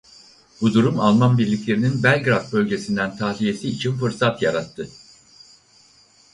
Bu durum Alman birliklerinin Belgrad bölgesinden tahliyesi için fırsat yarattı.